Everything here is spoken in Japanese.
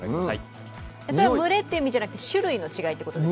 それは群れという意味ではなくて、種類ですか？